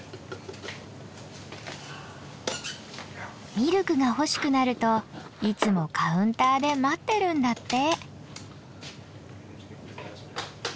ミルクが欲しくなるといつもカウンターで待ってるんだって。